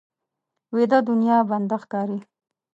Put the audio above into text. ویده دنیا بنده ښکاري